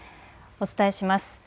お伝えします。